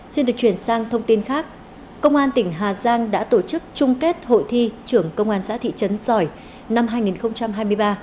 xin được chuyển sang thông tin khác công an tỉnh hà giang đã tổ chức chung kết hội thi trưởng công an xã thị trấn sỏi năm hai nghìn hai mươi ba